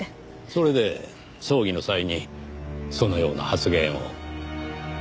それで葬儀の際にそのような発言を。